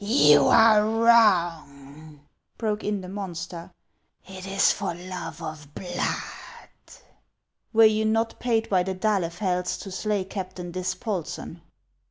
" You are wrong," broke in the monster ;" it is for love of blood." " Were you not paid by the d'Ahlefelds to slay Captain Dispolsen